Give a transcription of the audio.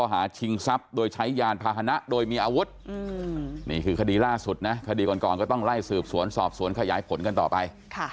หนูเองก็ไม่ได้จริงนะครับพี่